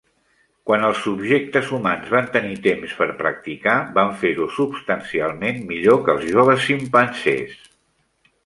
Quan els subjectes humans van tenir temps per practicar, van fer-ho substancialment millor que els joves ximpanzés.